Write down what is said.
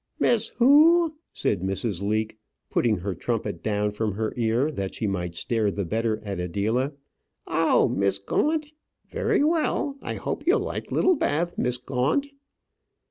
"Miss who?" said Mrs. Leake, putting her trumpet down from her ear that she might stare the better at Adela. "Oh, Miss Gaunt very well I hope you'll like Littlebath, Miss Gaunt."